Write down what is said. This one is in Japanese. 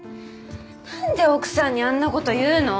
何で奥さんにあんなこと言うの？